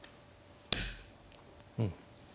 うん。